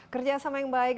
kerjasama yang baik